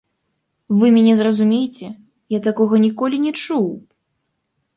Вы мяне зразумейце, я такога ніколі не чуў.